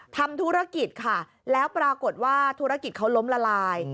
ทำธุรกิจค่ะแล้วปรากฏว่าธุรกิจเขาล้มละลาย